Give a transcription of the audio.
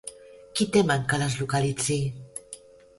Qui temen que les localitzi?